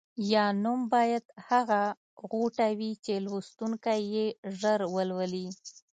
یا نوم باید هغه غوټه وي چې لوستونکی یې ژر ولولي.